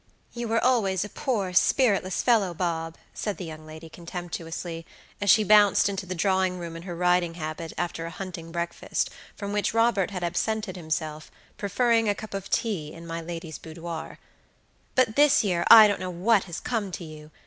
"You were always a poor, spiritless fellow, Bob," said the young lady, contemptuously, as she bounced into the drawing room in her riding habit, after a hunting breakfast, from which Robert had absented himself, preferring a cup of tea in my lady's boudoir; "but this year I don't know what has come to you.